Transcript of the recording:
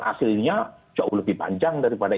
hasilnya jauh lebih panjang daripada